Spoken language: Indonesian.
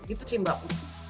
gitu sih mbak